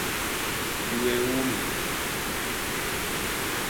Yue umi